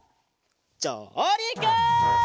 じょうりく！